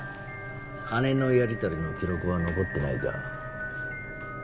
金のやりとりの記録は残ってないか？